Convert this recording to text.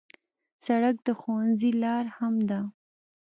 سړک د ښوونځي لار هم ده.